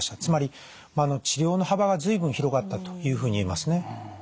つまり治療の幅が随分広がったというふうに言えますね。